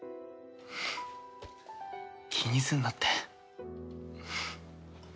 気にすんなって。